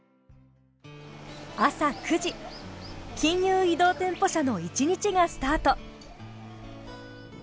朝９時金融移動店舗車の一日がスタート。